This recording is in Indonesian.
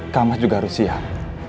kamas juga harus siap